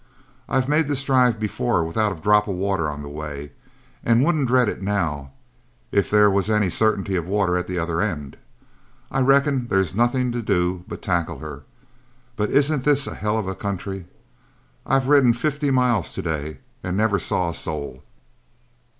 I've made this drive before without a drop of water on the way, and wouldn't dread it now, if there was any certainty of water at the other end. I reckon there's nothing to do but tackle her; but isn't this a hell of a country? I've ridden fifty miles to day and never saw a soul."